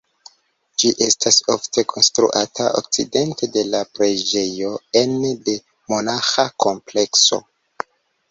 Ĝi estas ofte konstruata okcidente de la preĝejo ene de monaĥa komplekso.